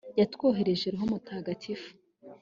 yatwoherereje roho mutagatifu